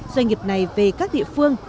doanh nghiệp này về các địa phương